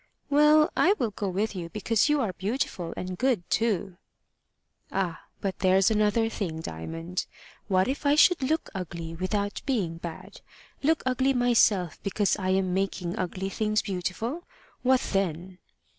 "Well, I will go with you because you are beautiful and good, too." "Ah, but there's another thing, Diamond: What if I should look ugly without being bad look ugly myself because I am making ugly things beautiful? What then?"